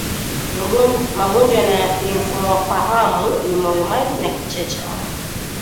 Magonjwa yananyoathiri mfumo wa fahamu ni moyomaji na kichaa cha mbwa